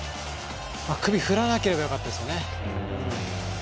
首振らなければよかったですね。